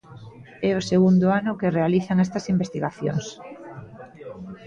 É o segundo ano que realizan estas investigacións.